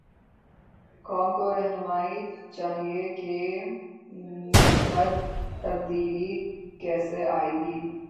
قوم کوراہنمائی چاہیے کہ مثبت تبدیلی کیسے آئے گی؟